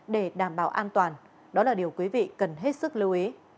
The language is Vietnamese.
để đảm bảo an toàn đó là điều quý vị cần hết sức lưu ý